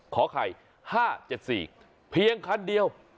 ขอไข่ห้าเจ็ดสี่เพียงคันเดียว